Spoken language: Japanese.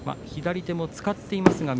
左手も使っています